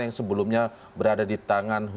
yang sebelumnya berada di tangan